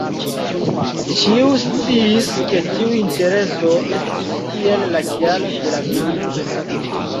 Ĉiu sciis ke tiu intereso estis iel la kialo de la milito".